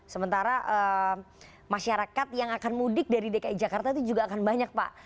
sementara masyarakat yang akan mudik dari dki jakarta itu juga akan banyak pak